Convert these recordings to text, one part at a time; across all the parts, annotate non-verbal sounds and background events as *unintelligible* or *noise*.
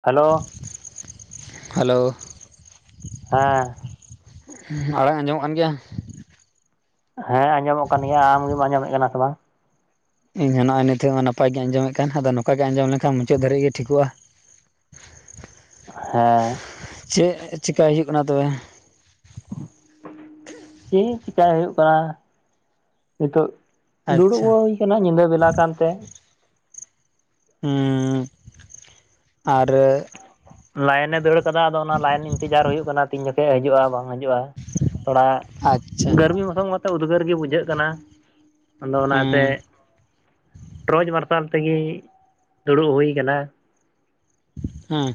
Hello hello. ᱦᱮᱸ᱾ ᱟᱲᱟᱝ ᱟᱸᱡᱚᱢᱚᱜ ᱠᱟᱱ ᱜᱮᱭᱟ᱾ ᱦᱮᱸ ᱟᱸᱡᱚᱢᱚᱜ ᱠᱟᱱ ᱜᱮᱭᱟ, ᱟᱢ ᱜᱮᱢ ᱟᱸᱡᱚᱢᱮᱫ ᱠᱟᱱᱟ ᱥᱮ ᱵᱟᱝ? ᱤᱧ ᱱᱚᱜᱼᱚᱭ ᱱᱤᱛᱚᱜ ᱢᱟ ᱱᱟᱯᱟᱭ ᱜᱮᱤ ᱟᱸᱡᱚᱢᱮᱫ ᱠᱟᱱ᱾ᱟᱫᱚ ᱱᱚᱝᱠᱟ ᱜᱮ ᱟᱸᱡᱚᱢ ᱞᱮᱱᱠᱷᱟᱱ ᱢᱩᱪᱟᱹᱫ ᱫᱷᱟᱨᱤᱡ ᱜᱮ ᱴᱷᱤᱠᱚᱜᱼᱟ᱾ ᱦᱮᱸ᱾ ᱪᱮᱫ ᱪᱤᱠᱟᱹᱭ ᱦᱩᱭᱩᱜ ᱠᱟᱱᱟ ᱛᱚᱵᱮ? ᱪᱮᱫ ᱪᱤᱠᱟᱹᱭ ᱦᱩᱭᱩᱜ ᱠᱟᱱᱟ ᱱᱤᱛᱚᱜ, ᱫᱩᱲᱩᱵ ᱟᱪᱪᱷᱟ ᱤᱠᱱᱟᱜ ᱧᱤᱫᱟᱹ ᱵᱮᱞᱟ ᱠᱟᱱᱛᱮ᱾ ᱦᱩᱸ᱾ ᱟᱨ ᱞᱟᱭᱤᱱ ᱮ ᱫᱟᱹᱲ ᱠᱟᱫᱟ ᱟᱫᱚ, ᱚᱱᱟ ᱞᱟᱭᱤᱱ ᱤᱱᱛᱡᱟᱨ ᱦᱩᱭᱩᱜ ᱠᱟᱱᱟ᱾ ᱛᱤᱱ ᱡᱚᱠᱷᱮᱡ ᱦᱤᱡᱩᱜᱼᱟ, ᱵᱟᱝ ᱦᱤᱡᱩᱜᱼᱟ᱾ ᱛᱷᱚᱲᱟ ᱟᱪᱪᱷᱟ ᱜᱟᱹᱨᱢᱤ ᱢᱳᱥᱳᱢᱛᱚ ᱩᱫᱽᱜᱟᱹᱨ ᱜᱮ ᱵᱩᱡᱷᱟᱹᱜ ᱠᱟᱱᱟ᱾ ᱟᱫᱚ ᱚᱱᱟᱛᱮ ᱦᱩᱸ ᱴᱨᱚᱪ ᱢᱟᱨᱥᱟᱞ ᱛᱮᱜᱮ ᱫᱩᱲᱩᱵ ᱦᱩᱭ ᱟᱠᱟᱱᱟ᱾ ᱦᱩᱸ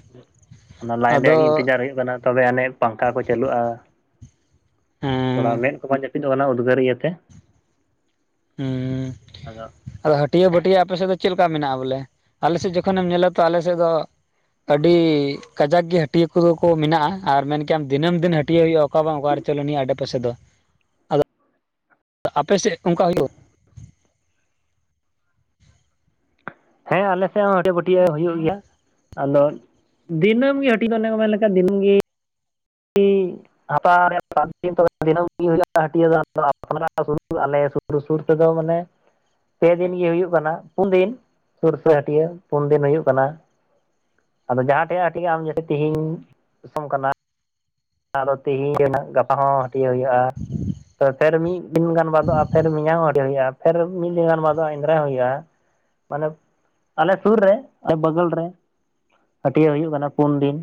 ᱚᱱᱟ ᱞᱟᱭᱤᱱ ᱟᱫᱚ ᱨᱮᱭᱟᱜ ᱤᱱᱛᱮᱡᱟᱨ ᱦᱩᱭᱩᱜ ᱠᱟᱱᱟ᱾ ᱛᱚᱵᱮ ᱟᱹᱱᱤᱡ ᱯᱟᱝᱠᱷᱟ ᱠᱚ ᱪᱟᱹᱞᱩᱜᱼᱟ᱾ ᱛᱷᱚᱲᱟ ᱦᱩᱸ ᱢᱮᱫ ᱠᱚ ᱵᱟᱝ ᱡᱟᱯᱤᱫ ᱯᱤᱫ ᱚᱱᱟ ᱩᱫᱽᱜᱟᱹᱨ ᱤᱭᱟᱹᱛᱮ᱾ ᱦᱮᱸ᱾ ᱟᱫᱚ ᱟᱫᱚ ᱦᱟᱹᱴᱭᱟᱹ ᱵᱟᱹᱴᱭᱟᱹ ᱟᱯᱮᱥᱮᱫ ᱫᱚ ᱪᱮᱫᱮ ᱞᱮᱠᱟ ᱢᱮᱱᱟᱜᱼᱟ ᱵᱚᱞᱮ? ᱟᱞᱮᱥᱮᱫ ᱡᱚᱠᱷᱚᱱᱮᱢ ᱧᱮᱞᱟ ᱛᱚ ᱟᱞᱮᱥᱮᱫ ᱫᱚ ᱟᱹᱰᱤ ᱠᱟᱡᱟᱠ ᱜᱮ ᱦᱟᱹᱴᱭᱟᱹ ᱠᱚᱫᱚ ᱠᱚ ᱢᱮᱱᱟᱜᱼᱟ, ᱟᱨ ᱢᱮᱱ ᱠᱷᱟᱢ ᱫᱤᱱᱟᱹᱢ ᱫᱤᱱ ᱦᱟᱹᱴᱭᱟᱹ ᱦᱩᱭᱩᱜᱼᱟ ᱚᱠᱟ ᱵᱟᱝ ᱚᱠᱟᱨᱮ? ᱪᱚᱞᱚ ᱱᱤᱭᱟᱹ ᱟᱰᱮᱯᱟᱥᱮ ᱫᱚ᱾ ᱛ ᱟᱯᱮᱥᱮᱫ ᱚᱱᱠᱟ ᱦᱩᱭᱩᱜᱼᱟ᱾ ᱦᱮᱸ ᱟᱞᱮᱥᱮᱫ ᱦᱚᱸ ᱦᱟᱹᱰᱤᱭᱟᱹ ᱵᱟᱹᱴᱤᱭᱟᱹ ᱦᱩᱭᱩᱜ ᱜᱮᱭᱟ᱾ ᱟᱫᱚ ᱫᱤᱱᱟᱹᱢ ᱜᱮ ᱦᱟᱹᱴᱤᱡ ᱫᱚ ᱚᱱᱮ ᱠᱚ ᱢᱮᱱ ᱞᱮᱠᱷᱟᱱ, ᱫᱤᱱᱟᱹᱢ ᱜᱮ ᱦᱟᱹᱛᱟᱣ ᱫᱤᱱᱟᱹᱢ ᱜᱮ ᱦᱩᱭᱩᱜ ᱦᱟᱹᱴᱤᱭᱟᱹ ᱫᱚ ᱟᱞᱮ ᱥᱩᱨ ᱥᱩᱨ ᱛᱮᱫᱚ ᱢᱟᱱᱮ, ᱯᱮ ᱫᱤᱱ ᱤᱭᱟᱹ ᱦᱩᱭᱩᱜ ᱠᱟᱱᱟ᱾ ᱯᱩᱱ ᱫᱤᱱ ᱥᱩᱨᱥᱟᱹ ᱦᱟᱹᱴᱤᱭᱟᱹ ᱯᱩᱱ ᱫᱤᱱ ᱦᱩᱭᱩᱜ ᱠᱟᱱᱟ᱾ ᱟᱫᱚ ᱡᱟᱦᱟᱸ ᱴᱷᱮᱡ ᱦᱟᱹᱴᱤᱡ ᱟᱢ ᱡᱮᱥᱮ ᱛᱮᱦᱮᱧ ᱫᱤᱥᱚᱢ ᱠᱟᱱᱟ᱾ ᱟᱫᱚ ᱛᱤᱦᱤᱧ ᱨᱮᱱᱟᱜ ᱜᱟᱯᱟ ᱦᱚᱸ ᱦᱟᱹᱴᱤᱭᱟᱹ ᱦᱩᱭᱩᱜᱼᱟ᱾ ᱛᱚ ᱯᱷᱮᱨ ᱢᱤᱫ ᱫᱤᱱ ᱜᱟᱱ ᱵᱟᱫᱚᱜᱼᱟ, ᱯᱷᱮᱨ ᱢᱮᱭᱟᱝ ᱦᱚᱸ ᱦᱩᱭᱩᱜᱼᱟ᱾ ᱯᱷᱮᱨ ᱢᱤᱫ ᱫᱤᱱ ᱜᱟᱱ ᱵᱟᱫᱚᱜᱼᱟ, ᱮᱱᱨᱟᱭ ᱦᱚᱸ ᱦᱩᱭᱩᱜᱼᱟ᱾ ᱢᱟᱱᱮ ᱟᱞᱮ ᱥᱩᱨ ᱨᱮ ᱟᱞᱮ ᱵᱚᱜᱚᱞ ᱨᱮ᱾ ᱦᱟᱹᱴᱤᱭᱟᱹ ᱦᱩᱭᱩᱜ ᱠᱟᱱᱟ ᱯᱩᱱ ᱫᱤᱱ᱾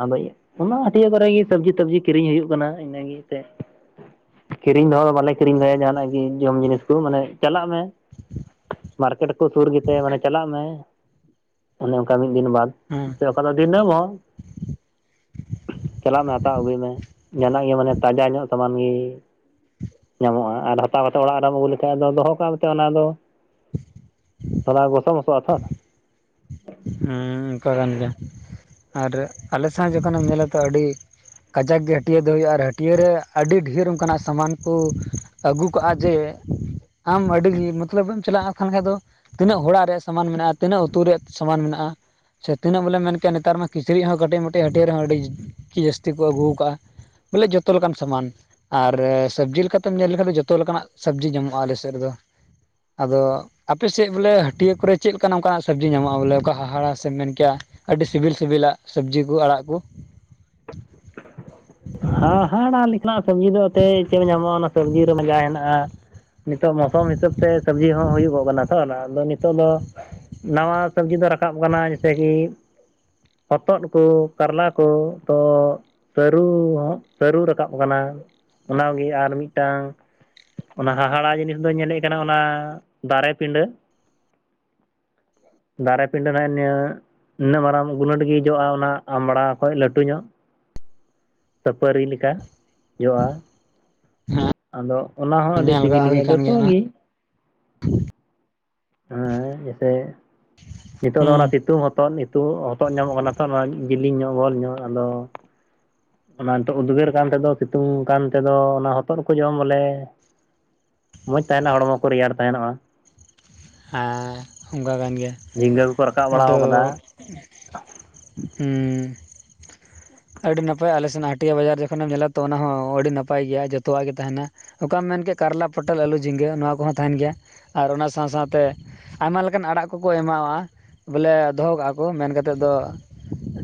ᱟᱫᱚ ᱚᱱᱟ ᱦᱟᱹᱴᱭᱟᱹ ᱠᱚᱨᱮ ᱜᱮ ᱥᱚᱵᱽᱡᱤ ᱛᱚᱵᱡᱤ ᱠᱤᱨᱤᱧ ᱦᱩᱭᱩᱜ ᱠᱟᱱᱟ᱾ᱤᱱᱟᱹ ᱜᱮ ᱛᱮ ᱠᱤᱨᱤᱧ ᱫᱚᱦᱚ ᱵᱟᱞᱮ ᱠᱤᱨᱤᱧ ᱫᱚᱦᱚᱭᱟᱜᱼᱟ᱾ ᱡᱟᱦᱟᱱᱟᱜ ᱜᱮ ᱡᱚᱢ ᱡᱤᱱᱤᱥ ᱠᱚ, ᱢᱟᱱᱮ ᱪᱟᱞᱟᱜ ᱢᱮ᱾ ᱢᱟᱨᱠᱮᱴ ᱠᱚ ᱥᱩᱨ ᱜᱮᱛᱮ, ᱢᱟᱱᱮ ᱪᱟᱞᱟᱜ ᱢᱮ ᱚᱱᱮ ᱚᱱᱠᱟ ᱢᱤᱫ ᱫᱤᱱ ᱵᱟᱫ᱾ ᱦᱮᱸ ᱥᱮ ᱚᱠᱟ ᱫᱚ ᱫᱤᱱᱟᱢ ᱦᱚᱸ᱾ ᱪᱟᱞᱟᱜ ᱢᱮ ᱦᱟᱛᱟᱣ ᱟᱹᱜᱩᱭ ᱢᱮ, ᱡᱟᱦᱟᱱᱟᱜ ᱜᱮ ᱢᱟᱱᱮ ᱛᱟᱡᱟ ᱧᱚᱜ ᱥᱟᱢᱟᱱ ᱜᱮ᱾ ᱧᱟᱢᱚᱜᱼᱟ, ᱟᱨ ᱦᱟᱛᱟᱣ ᱠᱟᱛᱮᱫ ᱚᱲᱟᱜ ᱨᱮᱢ ᱟᱹᱜᱩ ᱞᱮᱠᱷᱟᱡ ᱟᱫᱚ ᱫᱚᱦᱚ ᱠᱟᱛᱮᱜᱼᱟ ᱚᱱᱟ ᱫᱚ ᱛ ᱜᱚᱥᱚ ᱢᱚᱥ ᱟ ᱛᱚ᱾ ᱦᱮᱸ ᱚᱱᱠᱟ ᱠᱟᱱ ᱜᱮᱭᱟ, ᱟᱨ ᱟᱞᱮ ᱥᱟᱶ ᱡᱚᱠᱷᱚᱱᱮᱢ ᱧᱮᱞᱟ ᱛᱚ ᱟᱹᱰᱤ ᱠᱟᱡᱟᱠ ᱜᱮ ᱦᱟᱹᱴᱭᱟᱹ ᱫᱚ ᱦᱩᱭᱩᱜᱼᱟ᱾ ᱟᱨ ᱦᱟᱹᱴᱭᱟᱹᱨ ᱨᱮ ᱟᱹᱰᱤ ᱰᱷᱮᱨ ᱚᱱᱠᱟᱱᱟᱜ ᱥᱟᱢᱟᱱ ᱠᱚ, ᱟᱹᱜᱩ ᱠᱟᱜᱼᱟ ᱡᱮ, ᱟᱢ ᱟᱹᱰᱤ ᱢᱚᱛᱞᱚᱵᱮ ᱮᱢ ᱪᱟᱞᱟᱜᱼᱟ ᱛᱟᱦᱚᱞ ᱠᱷᱟᱱ ᱫᱚ᱾ ᱛᱤᱱᱟᱹᱜ ᱦᱚᱲᱟᱜ ᱨᱮᱭᱟᱜ ᱥᱟᱢᱟᱱ ᱢᱮᱱᱟᱜᱼᱟ ᱛᱤᱱᱟᱹᱜ ᱩᱛᱩ ᱨᱮ ᱥᱟᱢᱟᱱ ᱢᱮᱱᱟᱜᱼᱟ? ᱥᱮ ᱛᱤᱱᱟᱹᱜ ᱵᱚᱞᱮ ᱢᱮᱱ ᱠᱮᱭᱟ ᱱᱮᱛᱟᱨ ᱢᱟ ᱠᱤᱪᱨᱤᱡ ᱦᱚᱸ ᱠᱟᱹᱴᱤᱡ ᱢᱟᱹᱴᱤᱡ ᱦᱟᱹᱴᱤᱭᱟᱹ ᱨᱮ ᱦᱚᱸ ᱟᱹᱰᱤ ᱜᱮ ᱡᱟᱹᱥᱛᱤ ᱠᱚ ᱟᱹᱜᱩ ᱠᱟᱜᱼᱟ᱾ ᱵᱚᱞᱮ ᱡᱚᱛᱚ ᱞᱮᱠᱟᱱ ᱥᱟᱢᱟᱱ᱾ ᱟᱨ ᱥᱟᱹᱵᱽᱡᱤ ᱞᱮᱠᱟᱛᱮᱢ ᱧᱮᱞ ᱞᱮᱠᱷᱟᱱ ᱫᱚ ᱡᱚᱛᱚ ᱞᱮᱠᱟᱱᱟᱜ ᱥᱟᱹᱵᱽᱡᱤ ᱧᱟᱢᱚᱜᱼᱟ, ᱟᱞᱮ ᱥᱮᱫ ᱨᱮᱫᱚ᱾ ᱟᱫᱚ ᱟᱯᱮᱥᱮᱫ ᱵᱚᱞᱮ ᱦᱟᱹᱴᱤᱭᱟᱹ ᱠᱚᱨᱮ ᱪᱮᱫ ᱞᱮᱠᱟ ᱚᱱᱠᱟᱱᱟᱜ ᱥᱟᱹᱵᱽᱡᱤ ᱧᱟᱢᱚᱜᱼᱟ ᱵᱚᱞᱮ ᱚᱱᱠᱟ ᱦᱟᱦᱟᱲᱟ? ᱥᱮᱢ ᱢᱮᱱ ᱠᱮᱭᱟ ᱟᱹᱰᱤ ᱥᱤᱵᱤᱞ ᱥᱤᱵᱤᱞᱟᱜ ᱥᱟᱹᱵᱽᱡᱤ ᱠᱚ ᱟᱲᱟᱜ ᱠᱩ ᱦᱟᱸ ᱦᱟᱸᱲᱟᱜ ᱞᱮᱠᱟᱱᱟᱜ ᱥᱟᱹᱵᱽᱡᱤ ᱫᱚ ᱛᱮᱦᱮᱱ ᱪᱮᱫ ᱧᱟᱢᱚᱜᱼᱟ ᱚᱱᱟ ᱥᱟᱹᱵᱽᱡᱤ ᱨᱮ ᱢᱟᱡᱟ ᱦᱮᱱᱟᱜᱼᱟ᱾ ᱱᱤᱛᱚᱜ ᱢᱳᱥᱚᱢ ᱦᱤᱥᱟᱹᱵ ᱛᱮ ᱥᱟᱹᱵᱽᱡᱤ ᱦᱚᱸ ᱦᱩᱭᱩᱜᱚᱜ ᱠᱟᱱᱟ ᱛᱚ ᱟᱫᱚ ᱱᱤᱛᱚᱜ ᱫᱚ ᱱᱟᱣᱟ ᱥᱟᱹᱵᱽᱡᱤ ᱫᱚ ᱨᱟᱠᱟᱵ ᱠᱟᱱᱟ ᱡᱮᱥᱮ ᱠᱤ ᱦᱚᱛᱚᱫ, ᱠᱚ ᱠᱟᱨᱞᱟ, ᱠᱚ ᱛᱚ ᱥᱟᱹᱨᱩ ᱦᱩᱸ ᱥᱟᱹᱨᱩ ᱨᱟᱠᱟᱵ ᱠᱟᱱᱟ ᱚᱱᱟ ᱜᱤ ᱟᱨ ᱢᱤᱫᱴᱟᱝ ᱚᱱᱟ ᱦᱟᱦᱟᱲᱟ ᱡᱤᱱᱤᱥ ᱫᱚᱧ ᱧᱮᱞᱮᱫ ᱠᱟᱱᱟ ᱚᱱᱟ ᱫᱟᱨᱮᱯᱤᱸᱰᱟᱹ ᱫᱟᱨᱮ ᱯᱤᱸᱰᱟᱹ ᱱᱟᱸᱜ ᱱᱤᱭᱟᱹ ᱱᱤᱱᱟ. ᱜ ᱢᱟᱨᱟᱝ ᱜᱩᱞᱟᱹᱴ ᱜᱮ ᱡᱚᱜ-ᱟ ᱚᱱᱟ ᱟᱢᱲᱟ ᱠᱷᱚᱡ ᱞᱟᱹᱴᱩ ᱧᱚᱜ᱾ ᱥᱟᱹᱯᱟᱹᱨᱤ ᱞᱮᱠᱟ ᱡᱚᱜ-ᱟ᱾ ᱟᱫᱚ ᱚᱱᱟ ᱦᱚᱸ ᱟᱹᱰᱤ ᱧᱮᱞ ᱥᱤᱵᱤᱞ ᱠᱟᱜ ᱦᱩᱭ ᱜᱮᱭᱟ ᱠᱟᱱ ᱡᱚᱛᱚ ᱚᱱᱟ ᱜᱤ ᱦᱮᱸ ᱡᱮᱭᱥᱮ ᱱᱤᱛᱚᱜ ᱫᱚ ᱚᱱᱟ ᱦᱩᱸ ᱥᱤᱛᱩᱝ ᱦᱚ ᱦᱚᱛᱚᱫ ᱱᱤᱛᱩᱜ ᱦᱚᱛᱚᱫ ᱧᱟᱢᱚᱜ ᱠᱟᱱᱟ ᱛᱚ ᱱᱚᱣᱟ ᱡᱤᱞᱤᱧ ᱧᱚᱜ ᱵᱚᱞ ᱧᱚᱜ ᱟᱫᱚ ᱚᱱᱟ ᱱᱤᱛᱚᱜ ᱩᱫᱽᱜᱟᱹᱨ ᱠᱟᱱ ᱛᱮᱫᱚ ᱥᱤᱛᱩᱝ ᱠᱟᱱ ᱛᱮᱫᱚ ᱚᱱᱟ ᱦᱚᱛᱚᱫ ᱠᱚ ᱡᱚᱢ ᱵᱚᱞᱮ ᱢᱚᱡᱽ ᱛᱟᱦᱮᱱᱟ ᱦᱚᱲᱢᱚ ᱠᱚ ᱨᱮᱭᱟᱲ ᱛᱟᱦᱮᱱᱚᱜ-ᱟ᱾ ᱟᱸ ᱚᱱᱠᱟ ᱠᱟᱱ ᱜᱮᱭᱟ ᱡᱷᱤᱸᱜᱟᱹ ᱠᱚᱠᱚ ᱨᱟᱠᱟᱵ ᱟᱫᱚ ᱵᱟᱲᱟᱣ ᱠᱟᱫᱟ ᱦᱩᱸ ᱟᱹᱰᱤ ᱱᱟᱯᱟᱭ ᱟᱞᱮ ᱥᱮᱱᱟᱜ ᱦᱟᱹᱴᱭᱟ. ᱵᱟᱡᱟᱨ ᱡᱚᱠᱷᱚᱱᱮᱢ ᱧᱮᱞᱟ ᱛᱚ ᱚᱱᱟ ᱦᱚᱸ ᱟᱹᱰᱤ ᱱᱟᱯᱟᱭ ᱜᱮᱭᱟ ᱡᱚᱛᱚᱣᱟᱜ ᱜᱮ ᱛᱟᱦᱮᱱᱟ᱾ ᱚᱠᱟᱢ ᱢᱮᱱ ᱠᱮᱫ ᱠᱟᱨᱞᱟ ᱯᱚᱴᱚᱞ ᱟᱹᱞᱩ ᱡᱷᱤᱸᱜᱟᱹ ᱱᱚᱣᱟ ᱠᱚᱦᱚᱸ ᱛᱟᱦᱮᱱ ᱜᱮᱭᱟ ᱟᱨ ᱚᱱᱟ ᱥᱟᱶ ᱥᱟᱶᱛᱮ ᱟᱭᱢᱟ ᱞᱮᱠᱟᱱ ᱟᱲᱟᱜ ᱠᱚᱠᱚ ᱮᱢᱟᱣᱟᱜ-ᱟ ᱵᱚᱞᱮ ᱫᱚᱦᱚ ᱠᱟᱜ-ᱟ ᱠᱚ ᱢᱮᱱ ᱠᱟᱛᱮᱫ ᱫᱚ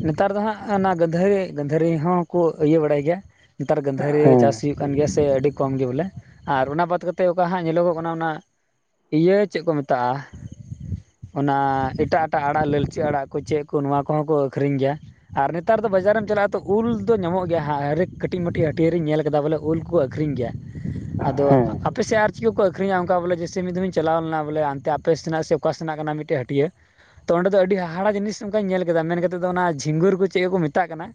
ᱱᱮᱛᱟᱨ ᱫᱚ ᱦᱟᱸᱜ ᱚᱱᱟ ᱜᱟᱹᱫᱷᱟᱹᱨᱤ ᱜᱟᱹᱫᱷᱟᱹᱨᱤ ᱦᱚᱸᱠᱚ ᱤᱭᱟᱹ ᱵᱟᱲᱟᱭ ᱜᱮᱭᱟ᱾ ᱱᱮᱛᱟᱨ ᱜᱟᱹᱫᱷᱟᱹᱨᱤ ᱪᱟᱥ ᱦᱮᱸ ᱦᱩᱭᱩᱜ ᱠᱟᱱ ᱜᱮᱭᱟ ᱥᱮ ᱟᱹᱰᱤ ᱠᱚᱢ ᱜᱮ ᱵᱚᱞᱮ ᱟᱨ ᱚᱱᱟ ᱵᱟᱫᱽ ᱠᱟᱛᱮᱫ ᱚᱠᱟ ᱦᱟᱸᱜ ᱧᱮᱞᱚᱜᱚᱜ ᱠᱟᱱᱟ ᱚᱱᱟ ᱤᱭᱟᱹ ᱪᱮᱫ ᱠᱚ ᱢᱮᱛᱟᱜ-ᱟ᱾ ᱚᱱᱟ ᱮᱴᱟᱜ ᱮᱴᱟᱜ ᱟᱲᱟᱜ ᱞᱟᱹᱞᱪᱟᱹ ᱟᱲᱟᱜ ᱠᱩ ᱪᱮᱫ ᱠᱩ ᱱᱚᱣᱟ ᱠᱚᱦᱚᱸ ᱠᱚ ᱟᱹᱠᱷᱨᱤᱧ ᱜᱮᱭᱟ᱾ ᱟᱨ ᱱᱮᱛᱟᱨ ᱫᱚ ᱵᱟᱡᱟᱨᱮᱢ ᱪᱟᱞᱟᱜ-ᱟ ᱛᱚ ᱩᱞ ᱫᱚ ᱧᱟᱢᱚᱜ ᱜᱮᱭᱟ ᱦᱟ ᱨᱮᱠᱽ ᱠᱟᱹᱴᱤᱡ ᱢᱟᱹᱴᱤᱡ ᱦᱟᱹᱴᱭᱟᱹᱨᱤᱧ ᱧᱮᱞ ᱠᱮᱫᱟ ᱵᱚᱞᱮ ᱩᱞ᱾ ᱠᱳ ᱟᱹᱠᱨᱤᱧ ᱜᱮᱭᱟ ᱟᱫᱚ ᱦᱮᱸ ᱟᱯᱮ ᱥᱮᱫ ᱟᱨ ᱪᱮᱫ ᱠᱚ ᱠᱚ ᱟᱹᱠᱨᱤᱧᱟ? ᱚᱱᱠᱟ ᱵᱚᱞᱮ ᱡᱮᱥᱮ ᱢᱤᱫ ᱫᱷᱚᱢᱤᱧ ᱪᱟᱞᱟᱣ ᱞᱮᱱᱟ᱾ ᱵᱚᱞᱮ ᱟᱱᱛᱮ ᱟᱯᱮ ᱥᱮᱱᱟᱜ ᱥᱮ ᱚᱠᱟ ᱥᱮᱱᱟᱜ ᱠᱟᱱᱟ ᱢᱤᱫᱴᱮᱡ ᱦᱟᱹᱴᱤᱭᱟᱹ ᱛᱚ ᱚᱸᱰᱮ ᱫᱚ ᱟᱹᱰᱤ ᱦᱟᱦᱟᱲᱟ ᱡᱤᱱᱤᱥ ᱚᱱᱠᱟᱧ ᱧᱮᱞ ᱢᱮᱱ ᱠᱟᱛᱮᱫ ᱫᱚ ᱚᱱᱟ ᱡᱷᱤᱝᱜᱩᱨ ᱠᱩ ᱪᱮᱫ ᱠᱩᱠᱩ ᱢᱮᱛᱟᱜ ᱠᱟᱱᱟ᱾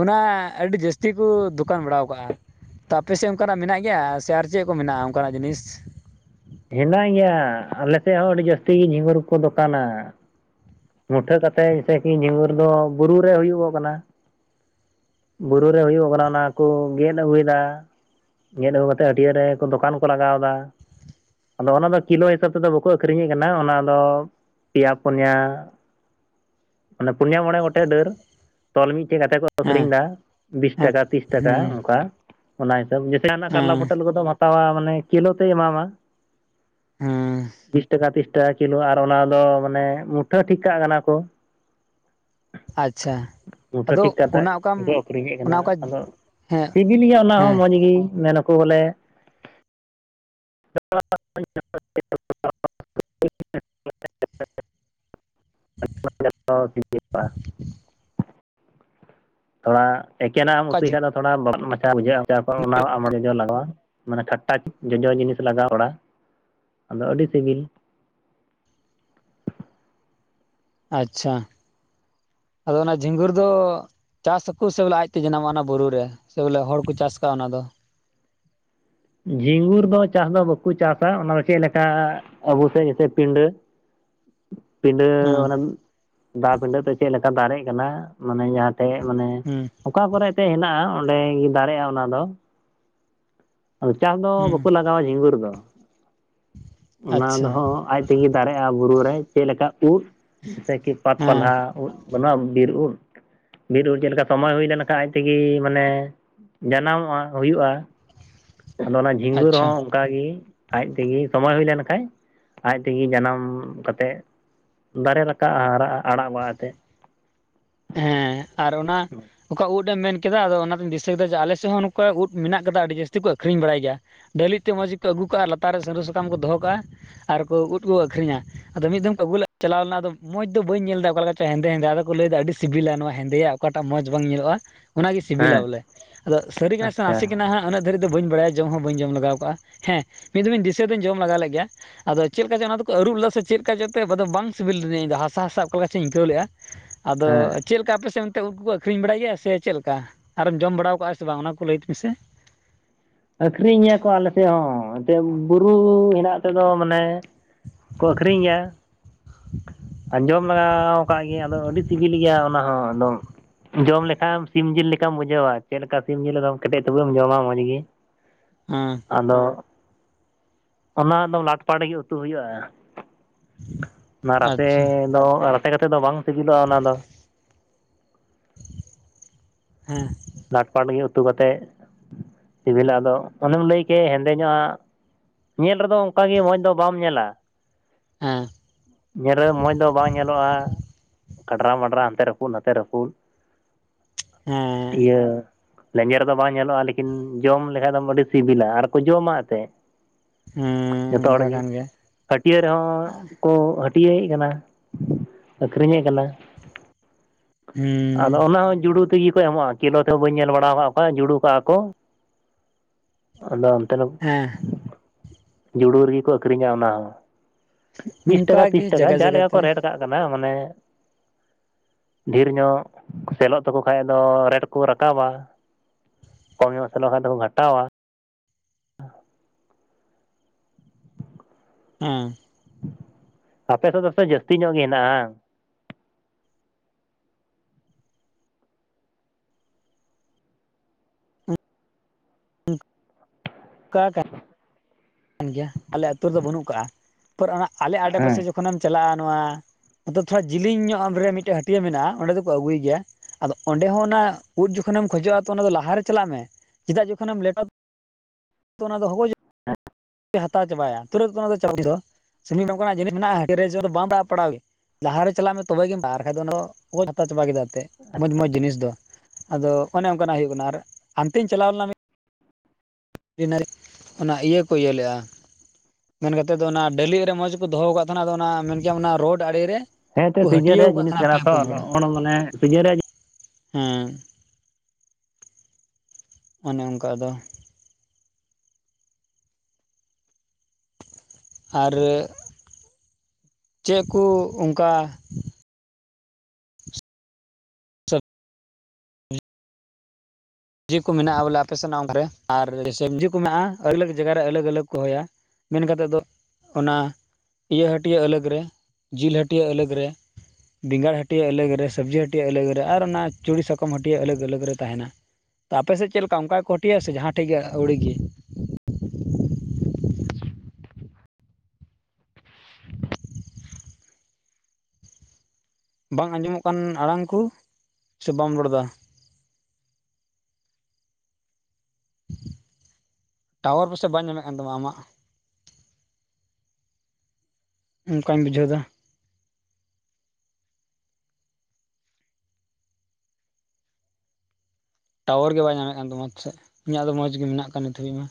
ᱚᱱᱟ ᱟᱹᱰᱤ ᱡᱟᱹᱥᱛᱤ ᱠᱩ ᱫᱚᱠᱟᱱ ᱵᱟᱲᱟᱣ ᱠᱟᱜ-ᱟ᱾ ᱛᱚ ᱟᱯᱮ ᱥᱮᱫ ᱚᱱᱠᱟᱱᱟᱜ ᱢᱮᱱᱟᱜ ᱜᱮᱭᱟ ᱥᱮ ᱟᱨ ᱪᱮᱫ ᱠᱚ ᱢᱮᱱᱟᱜ-ᱟ ᱚᱱᱠᱟᱱᱟᱜ ᱡᱤᱱᱤᱥ? ᱦᱮᱱᱟᱜ ᱜᱮᱭᱟ ᱟᱞᱮ ᱥᱮᱫ ᱦᱚᱸ ᱟᱹᱰᱤ ᱡᱟᱹᱥᱛᱤ ᱡᱷᱤᱸᱜᱩᱨ ᱠᱚ ᱠᱚ ᱫᱚᱠᱟᱱᱟ᱾ ᱢᱩᱴᱷᱟᱹ ᱠᱟᱛᱮᱫ ᱡᱮᱭᱥᱮ ᱠᱤ ᱡᱷᱤᱸᱜᱩᱨ ᱫᱚ ᱵᱩᱨᱩ ᱨᱮ ᱦᱩᱭᱩᱜᱚᱜ ᱠᱟᱱᱟ᱾ ᱵᱩᱨᱩ ᱨᱮ ᱦᱩᱭᱩᱜ ᱠᱟᱱᱟ ᱚᱱᱟ ᱠᱩ ᱜᱮᱫ ᱟᱹᱜᱩᱭᱮᱫᱟ᱾ ᱜᱮᱫ ᱟᱹᱜᱩ ᱠᱟᱛᱮᱫ ᱦᱟᱹᱴᱭᱟᱹ ᱨᱮ ᱠᱩ ᱫᱚᱠᱟᱱ ᱠᱚ ᱞᱟᱜᱟᱣ ᱫᱟ᱾ ᱟᱫᱚ ᱚᱱᱟ ᱫᱚ ᱠᱤᱞᱳ ᱦᱤᱥᱟᱹᱵ ᱛᱮᱫᱚ ᱵᱟᱠᱚ ᱟᱹᱠᱷᱨᱤᱧᱮᱫ ᱠᱟᱱᱟ ᱚᱱᱟᱫᱚ ᱯᱮᱭᱟ, ᱯᱩᱱᱭᱟ ᱚᱱᱟ ᱯᱩᱱᱭᱟ, ᱢᱚᱬᱮ ᱜᱚᱴᱮᱡ ᱰᱟᱹᱨ ᱛᱚᱞ ᱢᱤᱫᱴᱮᱡ ᱠᱟᱛᱮ ᱠᱚ ᱦᱮᱸ ᱟᱹᱠᱷᱨᱤᱧ ᱫᱟ ᱵᱤᱥ ᱦᱮᱸ ᱴᱟᱠᱟ ᱛᱤᱥ ᱴᱟᱠᱟ ᱦᱮᱸ ᱚᱱᱠᱟ ᱚᱱᱟ ᱦᱤᱥᱟᱹᱵ ᱡᱮᱥᱮ ᱦᱟᱱᱟ ᱠᱟᱨᱞᱟ, ᱦᱮᱸ ᱯᱚᱴᱚᱞ ᱠᱚᱫᱚ ᱦᱟᱸ ᱦᱟᱛᱟᱣᱟ ᱢᱟᱱᱮ ᱠᱤᱞᱳ ᱛᱮᱭ ᱮᱢᱟᱢᱟ ᱦᱮᱸ ᱵᱤᱥ ᱴᱟᱠᱟ ᱛᱤᱥ ᱴᱟᱠᱟ ᱠᱤᱞᱳ ᱟᱨ ᱚᱱᱟ ᱫᱚ ᱢᱟᱱᱮ ᱢᱩᱴᱷᱟᱹ ᱴᱷᱤᱠ ᱠᱟᱜ ᱠᱟᱱᱟ ᱠᱚ ᱟᱪᱪᱷᱟ᱾ ᱵᱩᱴᱟᱹ ᱴᱷᱤᱠ ᱟᱫᱚ ᱠᱟᱛᱮ ᱚᱱᱟ ᱚᱠᱟᱢ ᱠᱚ ᱟᱠᱷᱨᱤᱧᱮᱫ ᱠᱟᱱᱟ ᱚᱱᱟ ᱚᱠᱟ ᱟᱫᱚ ᱦᱮᱸ ᱥᱤᱵᱤᱞ ᱜᱮᱭᱟ ᱚᱱᱟ ᱦᱚᱸ ᱦᱮᱸ ᱢᱚᱡᱽ ᱜᱮ ᱢᱮᱱᱟᱠᱚ ᱵᱚᱞᱮ *unintelligible* *unintelligible* *inaudible* ᱛᱷᱚᱲᱟ ᱮᱠᱮᱱᱟᱜ ᱮᱢ ᱚᱠᱟ ᱩᱛᱩᱭ ᱡᱷᱤ ᱠᱷᱟᱡ ᱫᱚ ᱛᱷᱚᱲᱟ ᱵᱟᱵᱟᱫ ᱢᱟᱪᱷᱟ ᱵᱩᱡᱷᱟᱹᱜᱼᱟ ᱢᱚᱪᱟ ᱠᱚ ᱚᱱᱟ ᱟᱢ ᱡᱚᱡᱚ ᱞᱟᱜᱟᱣᱟᱢ ᱾ ᱢᱟᱱᱮ ᱠᱷᱟᱴᱴᱟ ᱡᱚᱡᱚ ᱡᱤᱱᱤᱥ ᱞᱟᱜᱟᱣ ᱵᱟᱲᱟ ᱟᱫᱚ ᱟᱹᱰᱤ ᱥᱤᱵᱤᱞ ᱾ ᱟᱪᱪᱷᱟ ᱟᱫᱚ ᱚᱱᱟ ᱡᱷᱤᱸᱜᱩᱨ ᱫᱚ ᱪᱟᱥ ᱟᱠᱩ ᱥᱮ ᱵᱚᱞᱮ ᱟᱡᱛᱮ ᱡᱟᱱᱟᱢᱚᱜ-ᱟ ᱚᱱᱟ ᱵᱩᱨᱩ ᱨᱮ ᱥᱮ ᱵᱚᱞᱮ ᱦᱚᱲ ᱠᱚ ᱪᱟᱥ ᱠᱟᱜᱼᱟ ᱚᱱᱟ ᱫᱚ? ᱡᱷᱤᱸᱜᱩᱨ ᱫᱚ ᱪᱟᱥ ᱫᱚ ᱵᱟᱠᱩ ᱪᱟᱥᱟ ᱚᱱᱟ ᱫᱚ ᱪᱮᱫ ᱞᱮᱠᱟ ᱟᱵᱩ ᱥᱮᱫ ᱡᱮᱥᱮ ᱯᱤᱰᱟᱹ *inaudible* ᱯᱤᱰᱟᱹ ᱦᱮᱸ ᱚᱱᱟ ᱫᱟ ᱯᱤᱰᱟᱹ ᱛᱮ ᱪᱮᱫ ᱞᱮᱠᱟ ᱫᱟᱨᱮᱜ ᱠᱟᱱᱟ ᱢᱟᱱᱮ ᱡᱟᱦᱟᱸ ᱛᱮᱜ ᱢᱟᱱᱮ ᱦᱮᱸ ᱚᱠᱟ ᱠᱚᱨᱮ ᱮᱛᱮᱜ ᱦᱮᱱᱟᱜᱼᱟ ᱚᱸᱰᱮ ᱜᱮ ᱫᱟᱨᱮᱜᱼᱟ ᱚᱱᱟ ᱫᱚ ᱾ ᱟᱫᱚ ᱪᱟᱥ ᱫᱚ ᱦᱮᱸ ᱵᱟᱠᱚ ᱞᱟᱜᱟᱣᱟ ᱡᱷᱤᱸᱜᱩᱨ ᱫᱚ ᱚᱱᱟ ᱟᱪᱪᱷᱟ ᱫᱚᱦᱚᱸ ᱟᱡ ᱛᱮᱜᱮ ᱫᱟᱨᱮᱜᱼᱟ ᱵᱩᱨᱩ ᱨᱮ ᱪᱮᱫ ᱞᱮᱠᱟ ᱩᱫ ᱡᱮᱭᱥᱮ ᱠᱤ ᱯᱟᱛ ᱦᱮᱸ ᱯᱟᱞᱦᱟ ᱩᱫ ᱚᱱᱟ ᱵᱤᱨ ᱩᱫ, ᱵᱤᱨ ᱩᱫ ᱪᱮᱫ ᱞᱮᱠᱟ ᱥᱚᱢᱚᱭ ᱦᱩᱭ ᱞᱮᱱᱠᱷᱟᱱ ᱟᱡ ᱛᱮᱜᱮ ᱢᱟᱱᱮ ᱡᱟᱹᱱᱟᱢᱚᱜᱼᱟ, ᱦᱩᱭᱩᱜᱼᱟ ᱟᱫᱚ ᱚᱱᱟ ᱡᱷᱤᱝᱜᱩᱨ ᱟᱪᱪᱷᱟ ᱦᱚᱸ ᱚᱱᱠᱟ ᱜᱮ ᱟᱡ ᱛᱮᱜᱮ ᱥᱚᱢᱚᱭ ᱦᱩᱭ ᱞᱮᱱᱠᱷᱟᱡ ᱟᱡ ᱛᱮᱜᱮ ᱡᱟᱹᱱᱟᱢ ᱠᱟᱛᱮᱫ ᱫᱟᱨᱮ ᱨᱟᱠᱟᱵᱼᱟ ᱦᱟᱨᱟᱜᱼᱟ ᱟᱨᱟᱜ ᱵᱟᱦᱟ ᱛᱮ ᱾ ᱦᱮᱸ ᱟᱨ ᱚᱱᱟ ᱚᱠᱟ ᱩᱫ ᱮᱢ ᱢᱮᱱᱠᱮᱫᱟ ᱟᱫᱚ ᱚᱱᱟᱛᱮᱧ ᱫᱤᱥᱟᱠᱮᱫᱟ ᱡᱮ ᱟᱞᱮ ᱥᱮᱪ ᱦᱚ ᱚᱱᱠᱟ ᱩᱫ ᱢᱮᱱᱟᱜ ᱟᱠᱟᱫᱟ ᱟᱹᱰᱤ ᱡᱟᱹᱥᱛᱤ ᱠᱚ ᱟᱠᱷᱟᱨᱤᱧ ᱵᱟᱲᱟᱭ ᱜᱮᱭᱟ ᱰᱟᱹᱞᱤᱡ ᱛᱮ ᱢᱚᱡᱽ ᱜᱮᱠᱚ ᱟᱹᱜᱩ ᱠᱟᱜᱼᱟ ᱟᱨ ᱞᱟᱛᱟᱨ ᱨᱮ ᱥᱟᱹᱨᱩ ᱥᱟᱠᱟᱢ ᱠᱚ ᱫᱚᱦᱚ ᱠᱟᱜᱼᱟ ᱟᱨ ᱠᱚ ᱩᱫ ᱠᱚ ᱟᱹᱠᱷᱨᱤᱧᱟ, ᱟᱫᱚ ᱢᱤᱫ ᱫᱷᱚᱢ ᱟᱜᱩ ᱞᱮ ᱪᱟᱞᱟᱣ ᱞᱮᱱᱟ ᱟᱫᱚ ᱢᱚᱡᱽ ᱫᱚ ᱵᱟᱹᱧ ᱧᱮᱞ ᱫᱟ ᱚᱠᱟ ᱞᱮᱠᱟ ᱪᱚᱧ ᱦᱮᱸᱫᱮ ᱦᱮᱸᱫᱮ ᱟᱫᱚ ᱠᱚ ᱞᱟᱹᱭᱮᱫᱟ ᱟᱹᱰᱤ ᱥᱤᱵᱤᱞᱟ ᱱᱚᱣᱟ ᱦᱮᱸᱫᱮᱸᱭᱟᱜ ᱚᱠᱟᱴᱟᱜ ᱢᱚᱸᱡᱽ ᱵᱟᱝ ᱧᱮᱞᱚᱜᱼᱟ ᱚᱱᱟᱜᱮ ᱥᱤᱵᱤᱞᱟ ᱦᱮᱸ ᱵᱚᱞᱮ ᱟᱫᱚ ᱥᱟᱹᱨᱤ ᱠᱟᱱᱟ ᱥᱮ ᱟᱪᱪᱷᱟ ᱱᱟᱥᱮ ᱠᱟᱱᱟ ᱦᱟᱸᱜ ᱩᱱᱟᱹᱜ ᱫᱷᱟᱹᱨᱤᱡ ᱫᱚ ᱵᱟᱧ ᱵᱟᱲᱟᱭᱟ ᱡᱚᱢ ᱦᱚᱸ ᱡᱚᱢ ᱞᱟᱜᱟᱣ ᱟᱠᱟᱜᱼᱟ ᱦᱮᱸ ᱢᱤᱫ ᱫᱷᱚᱢᱤᱧ ᱫᱤᱥᱟ ᱫᱚᱧ ᱡᱚᱢ ᱞᱟᱜᱟ ᱞᱮᱫ ᱜᱮᱭᱟ, ᱟᱫᱚ ᱪᱮᱫ ᱞᱮᱠᱟ ᱪᱚ ᱚᱱᱟ ᱫᱚᱠᱚ ᱟᱹᱨᱩᱵ ᱞᱮᱫᱟ ᱥᱮ ᱪᱮᱫ ᱞᱮᱠᱟ ᱪᱚ ᱮᱱᱛᱮ ᱟᱫᱚ ᱵᱟᱝ ᱥᱤᱵᱤᱞ ᱞᱮᱫᱤᱧᱟ ᱤᱧᱫᱚ ᱦᱟᱥᱟ ᱦᱟᱥᱟ ᱚᱠᱟ ᱞᱮᱠᱟ ᱪᱚᱧᱤᱧ ᱟᱹᱭᱠᱟᱹᱣ ᱞᱮᱫᱼᱟ, ᱛ ᱦᱮᱸ ᱪᱮᱫ ᱞᱮᱠᱟ ᱟᱯᱮᱥᱮᱫ ᱚᱱᱛᱮ ᱩᱱᱠᱩ ᱠᱚ ᱟᱹᱠᱷᱨᱤᱧ ᱵᱟᱲᱟᱭ ᱜᱮᱭᱟ ᱥᱮ ᱪᱮᱫ ᱞᱮᱠᱟ ᱟᱨᱮᱢ ᱡᱚᱢ ᱵᱟᱲᱟᱣ ᱟᱠᱟᱜᱼᱟ ᱥᱮ ᱵᱟᱝ ᱚᱱᱟ ᱠᱚ ᱞᱟᱹᱭ ᱛ ᱢᱮ ᱥᱮ? ᱟᱹᱠᱷᱨᱤᱧ ᱜᱮᱭᱟ ᱠᱚ ᱟᱞᱮ ᱥᱮᱫ ᱦᱚᱸ ᱮᱱᱛᱮᱫ ᱵᱩᱨᱩ ᱦᱮᱱᱟᱜ ᱛᱮᱫᱚ ᱢᱟᱱᱮ ᱠᱚ ᱟᱹᱠᱷᱨᱤᱧ ᱜᱮᱭᱟ, ᱟ ᱡᱚᱢ ᱞᱟᱜᱟᱣ ᱟᱠᱟᱫ ᱜᱮᱤᱭᱟᱹᱧ ᱟᱫᱚ ᱟᱹᱰᱤ ᱥᱤᱵᱤᱞ ᱜᱮᱭᱟ ᱚᱱᱟ ᱦᱚᱸ ᱟᱫᱚᱢ ᱡᱚᱢ ᱞᱮᱠᱷᱟᱮᱢ ᱥᱤᱢ ᱡᱤᱞ ᱞᱮᱠᱟᱢ ᱵᱩᱡᱷᱟᱹᱣᱟ ᱪᱮᱫ ᱞᱮᱠᱟ ᱥᱤᱢ ᱡᱤᱞ ᱮᱠᱫᱚᱢ ᱠᱮᱴᱮᱡ ᱛᱩᱵᱮᱢ ᱡᱚᱢᱟ ᱢᱚᱡᱽ ᱜᱮ, ᱦᱮᱸ ᱾ ᱟᱫᱚ ᱚᱱᱟ ᱫᱚ ᱞᱟᱴᱯᱟᱴ ᱜᱮ ᱩᱛᱩ ᱦᱩᱭᱩᱜᱼᱟ ᱾ ᱚᱱᱟ ᱨᱟᱥᱮ ᱟᱪᱪᱷᱟ ᱫᱚ, ᱨᱟᱥᱮ ᱠᱟᱛᱮ ᱫᱚ ᱵᱟᱝ ᱥᱤᱵᱤᱞᱚᱜᱼᱟ ᱚᱱᱟ ᱫᱚ ᱾ ᱦᱮᱸ ᱾ ᱞᱟᱴᱯᱟᱴ ᱜᱮ ᱩᱛᱩ ᱠᱟᱛᱮᱫ ᱥᱤᱵᱤᱞᱟ ᱟᱫᱚ ᱚᱱᱮᱢ ᱞᱟᱹᱭ ᱠᱮᱫ ᱦᱮᱸᱫᱮ ᱧᱚᱜᱼᱟ ᱧᱮᱞ ᱨᱮᱫᱚ ᱚᱱᱠᱟᱜᱮ ᱢᱚᱡᱽ ᱫᱚ ᱵᱟᱢ ᱧᱮᱞᱟ, ᱦᱮᱸ ᱾ ᱧᱮᱞ ᱨᱮᱦᱚᱸ ᱢᱚᱡᱽ ᱫᱚ ᱵᱟᱝ ᱧᱮᱞᱚᱜᱼᱟ ᱠᱟᱰᱨᱟ ᱢᱟᱰᱨᱟ ᱦᱟᱱᱛᱮ ᱨᱟᱹᱯᱩᱫ ᱱᱟᱛᱮ ᱨᱟᱹᱯᱩᱫ, ᱦᱮᱸ ᱤᱭᱟᱹ ᱞᱮᱡᱮᱨ ᱫᱚ ᱵᱟᱝ ᱧᱮᱞᱚᱜᱼᱟ ᱞᱮᱠᱤᱱ ᱡᱚᱢ ᱞᱮᱠᱷᱟᱡ ᱫᱚᱢ ᱟᱹᱰᱤ ᱥᱤᱵᱤᱞᱟ ᱟᱨ ᱠᱚ ᱡᱚᱢᱟ ᱮᱛᱮᱫ ᱾ ᱦᱮᱸ ᱡᱚᱛᱚ ᱦᱚᱲ ᱚᱱᱠᱟ ᱜᱮ ᱠᱟᱱ ᱜᱮᱭᱟ ᱦᱟᱹᱴᱭᱟᱹ ᱨᱮᱦᱚᱸ ᱠᱚ ᱦᱟᱹᱴᱤᱭᱟᱹᱮᱫ ᱠᱟᱱᱟ ᱟᱹᱠᱷᱨᱤᱧᱮᱫ ᱠᱟᱱᱟ ᱾ ᱦᱮᱸ᱾ ᱟᱫᱚ ᱚᱱᱟ ᱦᱚᱸ ᱡᱩᱲᱩ ᱛᱮᱜᱮ ᱠᱚ ᱮᱢᱚᱜᱼᱟ᱾ ᱠᱤᱞᱳ ᱛᱮᱦᱚᱸ ᱵᱟᱹᱧ ᱧᱮᱞ ᱵᱟᱲᱟ ᱟᱠᱟᱫ ᱠᱚᱣᱟ ᱡᱩᱲᱩ ᱠᱟᱜᱼᱟ ᱠᱚ᱾ ᱟᱫᱚ ᱚᱱᱛᱮᱱᱟᱜ ᱦᱮᱸ᱾ ᱡᱩᱲᱩ ᱨᱮᱜᱮ ᱠᱚ ᱟᱹᱠᱷᱨᱤᱧᱟ ᱚᱱᱟ ᱦᱚᱸ ᱵᱤᱥ ᱚᱱᱠᱟ ᱴᱟᱠᱟ ᱜᱮ ᱛᱤᱨᱤᱥ ᱴᱟᱠᱟ ᱡᱟᱭᱜᱟ ᱡᱮ ᱡᱟᱭᱜᱟ ᱞᱮᱠᱟ ᱠᱚ ᱛᱮ ᱨᱮᱴ ᱠᱟᱜ ᱠᱟᱱᱟ, ᱢᱟᱱᱮ ᱰᱷᱮᱨ ᱧᱚᱜ ᱥᱮᱞᱚᱜ ᱛᱟᱠᱚ ᱠᱷᱟᱱ ᱫᱚ ᱨᱮᱴ ᱠᱚ ᱨᱟᱠᱟᱵᱟ᱾ ᱠᱚᱢ ᱢᱥᱚᱞ ᱞᱮ ᱠᱷᱟᱱ ᱫᱚᱠᱚ ᱜᱟᱴᱟᱣᱟ᱾ ᱦᱮᱸ᱾ ᱦᱮᱸ᱾ ᱟᱯᱮ ᱥᱮᱫ ᱫᱚ ᱥᱮ ᱡᱟᱹᱥᱛᱤ ᱧᱚᱜ ᱜᱮ ᱦᱮᱱᱟᱜᱼᱟ ᱵᱟᱝ? *unintelligible* ᱠᱟᱱ ᱜᱮᱭᱟ ᱟᱞᱮ ᱟ ᱟᱹᱛᱩ ᱨᱮᱫᱚ ᱵᱟᱹᱱᱩᱜ ᱠᱟᱜᱼᱟ᱾ ᱛᱚ ᱚᱱᱟ ᱟᱞᱮ ᱟᱰᱮᱯᱟᱥᱮ ᱦᱮᱸ ᱡᱚᱠᱷᱚᱱᱮᱢ ᱪᱟᱞᱟᱜᱼᱟ ᱱᱚᱣᱟ ᱟ ᱛᱷᱚᱲᱟ ᱡᱮᱞᱮᱧ ᱧᱚᱜ ᱟ ᱨᱮ ᱢᱤᱫᱴᱮᱡ ᱦᱟᱹᱴᱤᱭᱟᱹ ᱢᱮᱱᱟᱜᱼᱟ ᱚᱸᱰᱮ ᱫᱚᱠᱚ ᱟᱹᱜᱩᱭ ᱜᱮᱭᱟ᱾ ᱟᱫᱚ ᱚᱸᱰᱮ ᱦᱚᱸ ᱚᱱᱟ ᱩᱫ ᱡᱚᱠᱷᱚᱱᱮᱢ ᱠᱷᱚᱡᱚᱜᱼᱟ ᱛᱚ ᱚᱱᱟ ᱞᱟᱦᱟ ᱨᱮ ᱪᱟᱞᱟᱜ ᱢᱮ᱾ ᱪᱮᱫᱟᱜ ᱪᱮ ᱡᱚᱠᱷᱚᱱᱮᱢ ᱞᱮᱴᱟᱣ ᱚᱱᱟ ᱫᱚ ᱦᱟᱛᱟᱣ ᱪᱟᱵᱟᱭᱟ ᱛᱩᱨ ᱫᱚ ᱪᱟᱣ ᱫᱚ ᱱᱚᱝᱠᱟᱱᱟᱜ ᱡᱤᱱᱤᱥ ᱢᱮᱱᱟᱜᱼᱟᱨᱮ *unintelligible* ᱯᱟᱲᱟᱣ ᱜᱮ ᱞᱟᱦᱟᱨ ᱨᱮ ᱪᱟᱞᱟᱜ ᱢᱮ ᱛᱚᱵᱮᱢ ᱵᱟᱝ ᱟᱨ ᱵᱟᱠᱟᱱᱡ ᱫᱚ ᱚᱱᱟ ᱠᱷᱚᱡ ᱦᱟᱛᱟᱣ ᱪᱟᱵᱟ ᱠᱮᱫᱟ᱾ ᱛᱮ ᱢᱚᱡᱽ ᱢᱚᱡᱽ ᱡᱤᱱᱤᱥ ᱫᱚ᱾ ᱟᱫᱚ ᱚᱱᱮ ᱚᱱᱠᱟᱱᱟᱜ ᱦᱤᱭᱩᱜ ᱠᱟᱱᱟ ᱟᱨ ᱟᱱᱛᱮᱧ ᱪᱟᱞᱟᱣ ᱞᱮᱱᱟ᱾ ᱚᱱᱟ ᱤᱭᱟᱹ ᱠᱚ ᱤᱭᱟᱹ ᱞᱮᱜᱼᱟ ᱢᱮᱱ ᱠᱟᱛᱮᱫ ᱫᱚ ᱚᱱᱟ ᱰᱟᱹᱞᱤᱜ ᱨᱮ ᱢᱚᱸᱡᱽ ᱜᱮᱠᱚ ᱫᱚᱦᱚ ᱟᱠᱟᱫ ᱛᱟᱦᱮᱸᱱᱟ᱾ ᱟᱫᱚ ᱚᱱᱟ ᱢᱮᱱᱠᱮᱭᱟᱢ ᱚᱱᱟ ᱨᱳᱰ ᱟᱲᱮ ᱨᱮ ᱦᱮᱸᱛᱚ ᱠᱚ ᱥᱤᱡᱚᱱ ᱦᱟᱹᱴᱤᱭᱟᱹᱣ ᱨᱮᱭᱟᱜ ᱟᱠᱟᱫ ᱡᱤᱱᱤᱥ ᱛᱟᱦᱮᱱᱟ ᱠᱟᱱᱟ ᱯᱮ ᱛᱷᱚ ᱯᱩᱱ ᱦᱚᱲ ᱱᱚᱜᱚ ᱱᱚᱣᱟ ᱢᱟᱱᱮ ᱥᱤᱨᱡᱚᱱ ᱨᱮᱭᱟᱜ ᱦᱮᱸ᱾ ᱚᱱᱮ ᱚᱱᱠᱟ ᱟᱫᱚ᱾ ᱟᱨᱻ ᱪᱮᱫ ᱠᱩ ᱚᱱᱠᱟ ᱡᱤ ᱠᱚ ᱢᱮᱱᱟᱜ ᱟ ᱵᱚᱞᱮ ᱟᱯᱮ ᱥᱮᱱ ᱱᱚᱣᱟ ᱫᱷᱟᱨᱮ ᱨᱮ ᱟᱨ ᱥᱟᱵᱽᱡᱤ ᱠᱚ ᱢᱮᱱᱟᱜᱼᱟ, ᱟᱹᱰᱤ ᱞᱟᱹᱜᱽ ᱡᱟᱜᱟ ᱨᱮ ᱟᱞᱟᱹᱜᱽ ᱟᱞᱟᱹᱜᱽ ᱠᱚ ᱦᱚᱦᱚᱭᱟ᱾ ᱢᱮᱱ ᱠᱟᱛᱮ ᱫᱚ ᱚᱱᱟ ᱤᱭᱟᱹ ᱦᱟᱹᱴᱤᱭᱟᱹ ᱟᱞᱟᱜᱽ ᱨᱮ, ᱡᱤᱞ ᱦᱟᱹᱴᱤᱭᱟᱹ ᱟᱞᱟᱜᱽ ᱨᱮ, ᱵᱮᱸᱜᱟᱲ ᱦᱟᱹᱴᱤᱭᱟᱹ ᱟᱞᱟᱜᱽ ᱨᱮ ᱥᱚᱵᱡᱤ ᱦᱟᱹᱴᱤᱭᱟᱹ ᱟᱞᱟᱜᱽ ᱨᱮ ᱟᱨ ᱚᱱᱟ ᱪᱩᱲᱤ ᱥᱟᱠᱚᱢ ᱦᱟᱹᱴᱤᱭᱟᱹ ᱟᱞᱟᱜᱽ-ᱟᱞᱟᱜᱽ ᱟᱞᱟᱨᱜᱽ ᱨᱮ ᱛᱟᱦᱮᱱᱟ᱾ ᱛᱚ ᱟᱯᱮ ᱥᱮᱫ ᱪᱮᱫ ᱞᱮᱠᱟ ᱚᱱᱠᱟ ᱜᱮ ᱠᱚ ᱦᱟᱴᱤᱭᱟᱹ ᱭᱟ ᱥᱮ ᱡᱟᱦᱟᱸ ᱴᱷᱮᱡ ᱜᱮ ᱟᱹᱣᱲᱤ ᱜᱮ ᱵᱟᱸᱝ ᱟᱸᱡᱚᱢᱚᱜ ᱠᱟᱱ ᱟᱲᱟᱝ ᱠᱚ ᱥᱮ ᱵᱟᱢ ᱨᱚᱲ ᱮᱫᱟ? ᱴᱟᱣᱟᱨ ᱯᱟᱥᱮᱡ ᱵᱟᱭ ᱧᱟᱢᱮᱫ ᱠᱟᱱ ᱛᱟᱢᱟ ᱟᱢᱟᱜ? ᱚᱱᱠᱟᱧ ᱵᱩᱡᱷᱟᱹᱣ ᱮᱫᱟ᱾ ᱴᱟᱣᱟᱨ ᱜᱮ ᱵᱟᱭ ᱧᱟᱢᱮᱫ ᱠᱟᱱ ᱛᱟᱢᱟ ᱥᱮᱫ ᱤᱧᱟᱜ ᱫᱚ ᱢᱚᱡᱽ ᱜᱮ ᱢᱮᱱᱟᱜ ᱟᱠᱟᱫᱟ ᱱᱤᱛ ᱫᱷᱟᱵᱤᱡᱽ ᱢᱟ᱾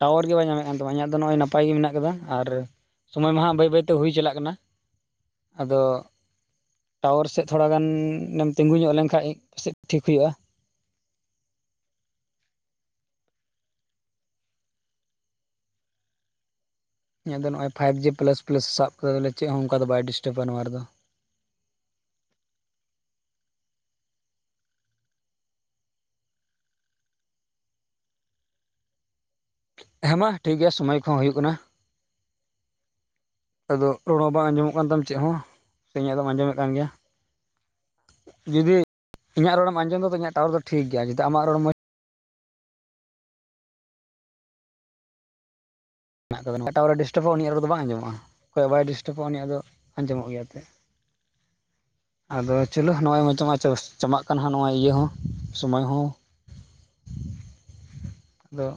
ᱴᱟᱣᱟᱨ ᱜᱮ ᱵᱟᱭ ᱧᱟᱢᱮᱫ ᱠᱟᱱ ᱛᱟᱢᱟ? ᱤᱧᱟᱜ ᱫᱚ ᱱᱚᱜᱼᱚᱭ ᱱᱟᱯᱟᱭ ᱜᱮ ᱢᱮᱱᱟᱜ ᱟᱠᱟᱫᱟ ᱟᱨ ᱥᱚᱢᱚᱭ ᱢᱟᱦᱟᱸᱜ ᱵᱟᱹᱭ ᱵᱟᱹᱭ ᱛᱮ ᱦᱩᱭ ᱪᱟᱞᱟᱜ ᱠᱟᱱᱟ᱾ ᱟᱫᱚ ᱴᱟᱣᱟᱨ ᱥᱮᱫ ᱛᱷᱚᱲᱟ ᱜᱟᱱᱻᱮᱢ ᱛᱤᱸᱜᱩ ᱧᱚᱜ ᱞᱮᱱᱠᱷᱟᱱ ᱥᱮᱫ ᱴᱷᱤᱠ ᱦᱩᱭᱩᱜᱼᱟ᱾ ᱤᱧᱟᱜ ᱫᱚ ᱱᱚᱜᱼᱚᱭ ᱯᱷᱟᱭᱤᱯ ᱡᱤ ᱯᱞᱟᱥ ᱯᱞᱟᱥ ᱥᱟᱵ ᱠᱟᱫᱟ ᱵᱚᱞᱮ ᱪᱮᱫ ᱦᱚᱸ ᱚᱱᱠᱟ ᱫᱚ ᱵᱟᱭ ᱰᱤᱥᱴᱟᱵᱟ ᱱᱚᱣᱟ ᱨᱮᱫᱚ᱾ ᱦᱮᱸ ᱢᱟ ᱴᱷᱤᱠ ᱜᱮᱭᱟ ᱥᱚᱢᱚᱭ ᱠᱚᱦᱚᱸ ᱦᱤᱭᱩᱜ ᱠᱟᱱᱟ᱾ *unintelligible* ᱟᱫᱚ ᱨᱚᱲ ᱦᱚᱸ ᱵᱟᱝ ᱟᱸᱡᱚᱢᱚᱜ ᱠᱟᱱ ᱛᱟᱢ ᱪᱮᱫ ᱦᱚᱸ ᱥᱮ ᱤᱧᱟᱜ ᱫᱚᱢ ᱟᱸᱡᱚᱢᱮᱫ ᱠᱟᱱ ᱜᱮᱭᱟ? ᱡᱩᱫᱤ ᱤᱧᱟᱜ ᱨᱚᱲᱮᱢ ᱟᱸᱡᱚᱢ ᱮᱫᱟ ᱛᱚ ᱤᱧᱟᱜ ᱴᱟᱣᱟᱨ ᱫᱚ ᱴᱷᱤᱠ ᱜᱮᱭᱟ, ᱡᱩᱫᱤ ᱟᱢᱟᱜ ᱨᱚᱲ ᱢᱚᱡᱽ ᱢᱮᱱᱟᱜ ᱛᱟᱵᱤᱱ ᱢᱟ ᱮᱴᱟᱜ ᱴᱟᱣᱟᱨ ᱮ ᱰᱤᱥᱴᱟᱵᱚᱜᱼᱟ ᱩᱱᱤᱭᱟᱜ ᱨᱚᱲ ᱫᱚ ᱵᱟᱝ ᱟᱸᱡᱚᱢᱚᱜᱼᱟ, ᱚᱠᱚᱭᱟᱜ ᱵᱟᱭ ᱰᱤᱥᱴᱟᱵᱟ ᱩᱱᱤᱭᱟᱜ ᱫᱚ ᱟᱸᱡᱚᱢᱚᱜ ᱜᱮᱭᱟ ᱮᱛᱮ᱾ ᱟᱨ *unintelligible* ᱟᱫᱚ ᱪᱚᱞᱳ ᱱᱚᱜᱼᱚᱭ ᱢᱟ ᱪᱟᱵᱟᱜ ᱠᱟᱱᱟ ᱦᱟᱸᱜ ᱱᱚᱣᱟ ᱤᱭᱟᱹ ᱦᱚᱸ ᱥᱚᱢᱚᱭ ᱦᱚᱸ᱾ ᱟᱫᱚ